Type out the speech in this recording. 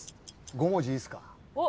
５文字いいっすか？